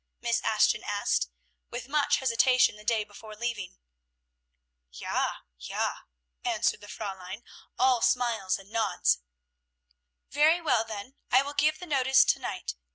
Miss Ashton asked with much hesitation the day before leaving. "Ja! Ja!" answered the Fräulein, all smiles and nods. "Very well, then, I will give the notice to night.